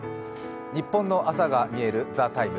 ニッポンの朝がみえる「ＴＨＥＴＩＭＥ，」